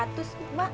aduh kok selesai